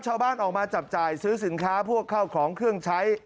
ชาวบ้านออกมาจับจ่ายซื้อสินค้าพวกข้าวของเครื่องใช้